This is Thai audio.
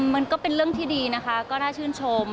มันก็เป็นเรื่องที่ดีนะคะก็น่าชื่นชม